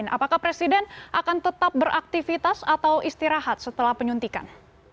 apakah presiden akan tetap beraktivitas atau istirahat setelah penyuntikan